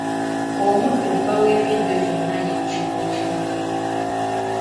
Omuddo bba w'emiddo gyonna ye Ccuucu.